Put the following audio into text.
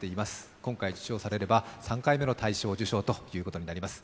今回受賞されれば３回はの大賞受賞ということになります。